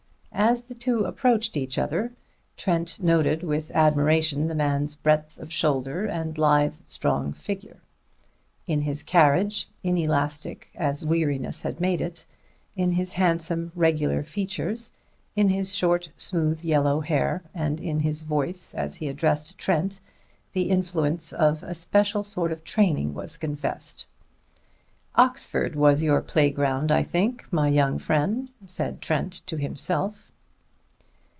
As the two approached each other, Trent noted with admiration the man's breadth of shoulder and lithe, strong figure. In his carriage, inelastic as weariness had made it, in his handsome, regular features, in his short, smooth yellow hair and in his voice as he addressed Trent, the influence of a special sort of training was confessed. "Oxford was your playground, I think, my young friend," said Trent to himself.